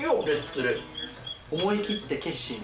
思い切って決心する。